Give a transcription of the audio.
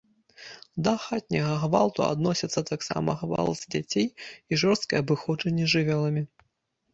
Да хатняга гвалту адносяцца таксама гвалт з дзяцей і жорсткае абыходжанне з жывёламі.